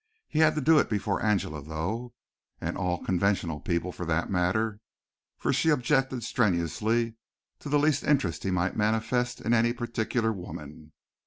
He had to do it before Angela though (and all conventional people for that matter), for she objected strenuously to the least interest he might manifest in any particular woman.